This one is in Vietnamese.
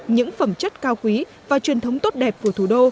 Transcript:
những phẩm chất cao quý và truyền thống tốt đẹp của thủ đô